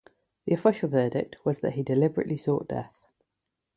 The official verdict was that he deliberately sought death.